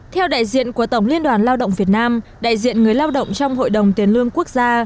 theo đại diện của tổng liên đoàn lao động việt nam đại diện người lao động trong hội đồng tiền lương quốc gia